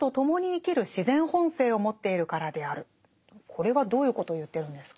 これはどういうことを言ってるんですか？